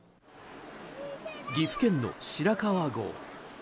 岐阜県の白川郷。